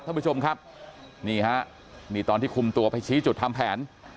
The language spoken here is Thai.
ท่านผู้ชมครับนี่ฮะนี่ตอนที่คุมตัวไปชี้จุดทำแผน